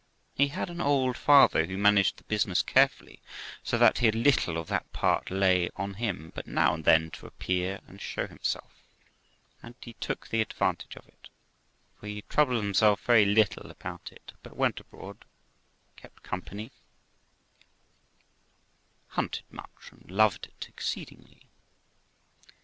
He had an old father who managed the business carefully, so that he had little of that part lay on him, but now and then to appear and show himself; and he took the advantage of it, for he troubled himself very little about it, but went abroad, kept company, hunted much, and loved it exceedingly.